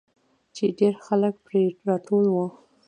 چې ډېرخلک پې راټول وو.